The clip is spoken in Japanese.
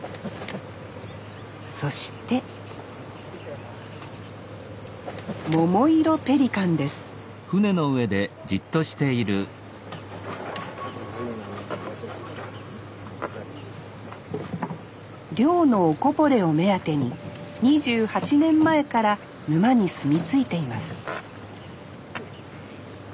そしてモモイロペリカンです漁のおこぼれを目当てに２８年前から沼に住み着いています